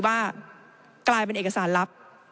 ว่าเป็นเอกสารลับ